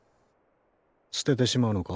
捨ててしまうのか？